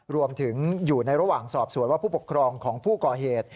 รวมถึงอยู่ในระหว่างสอบสวนว่าผู้ปกครองของผู้ก่อเหตุ